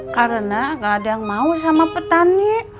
karena nggak ada yang mau sama petani